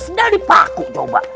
sedal dipaku coba